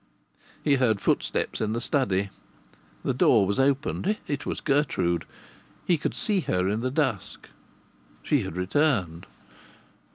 He heard footsteps in the study; the door was opened! It was Gertrude! He could see her in the dusk. She had returned!